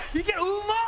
うまっ！